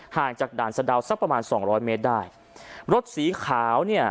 ห่างจากด่านสะดาวสักประมาณสองร้อยเมตรได้รถสีขาวเนี่ย